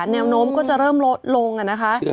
แนวโน้มก็จะเริ่มลดลงนะคะ